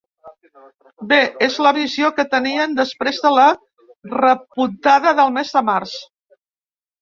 Bé, és la visió que tenien després de la repuntada del mes de març.